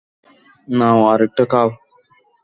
নাও, আরেকটা খাও।